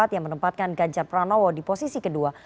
yang menempatkan ganjar pranowo di posisi kedua